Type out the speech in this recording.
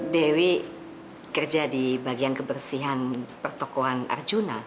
dewi kerja di bagian kebersihan pertokohan arjuna